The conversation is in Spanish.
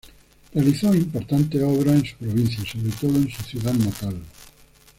Realizó importantes obras en su provincia, sobre todo en su ciudad natal.